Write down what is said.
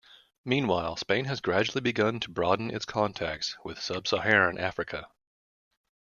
Meanwhile, Spain has gradually begun to broaden its contacts with Sub-Saharan Africa.